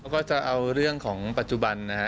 ก็จะเอาเรื่องของปัจจุบันนะฮะ